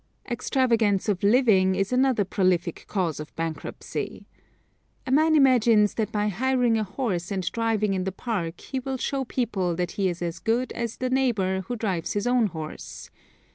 Extravagance of living is another prolific cause of bankruptcy. A man imagines that by hiring a horse and driving in the park he will show people that he is as good as the neighbor who drives his own horse.